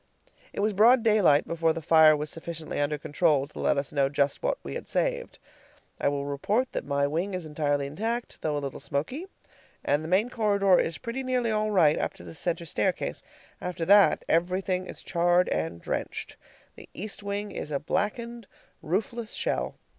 It was broad daylight before the fire was sufficiently under control to let us know just what we had saved. I will report that my wing is entirely intact, though a little smoky, and the main corridor is pretty nearly all right up to the center staircase; after that everything is charred and drenched. The east wing is a blackened, roofless shell.